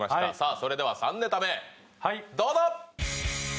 それでは３ネタ目どうぞ！